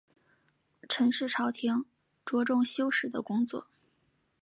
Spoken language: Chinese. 陈氏朝廷着重修史的工作。